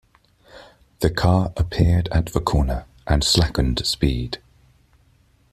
The car appeared at the corner and slackened speed.